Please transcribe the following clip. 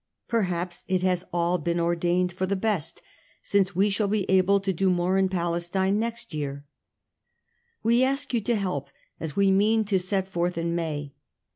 Perhaps it has all been ordered for the best, since we shall be able to do more in Palestine next year. We ask you for help, as we mean to set forth in May.